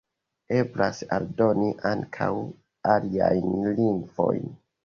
Eblas aldoni ankaŭ aliajn lingvojn.